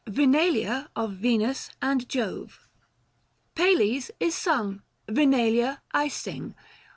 MAI. VINALIA OF VENUS AND JOVE. Pales is sung : Vinalia I sing.